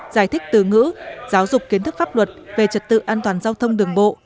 giải thích từ ngữ giáo dục kiến thức pháp luật về trật tự an toàn giao thông đường bộ